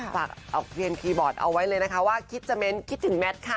ปรากเอาเกณฑ์พีบอร์ดเอาไว้เลยนะคะว่าคิดจะเม้นท์คิดถึงแมทค่ะ